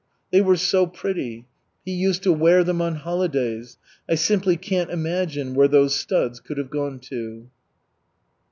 They were so pretty. He used to wear them on holidays. I simply can't imagine where those studs could have gone to."